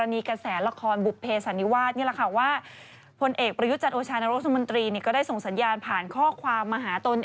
พี่เอสุวัชยาไหมครับอยากเห็นหน้าอยากเห็นพี่ใส่อ๋อ